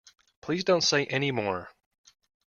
Please don't say any more.